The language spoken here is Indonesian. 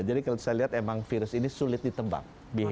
jadi kalau saya lihat memang virus ini sulit ditebak